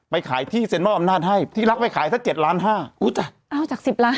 ไปขายที่เซ็นเวิร์ดอำนาจให้ที่รักไปขายซะเจ็ดล้านห้าเอ้าจากสิบล้าน